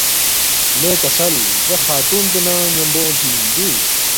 ”لے کسل دے خاتون پو نہ ن٘یمبو اونگفی اِن دیُو